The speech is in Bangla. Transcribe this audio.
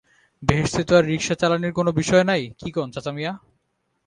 বেহেশতে তো আর রিকশা চালানির কোনো বিষয় নাই, কি কন চাচামিয়া?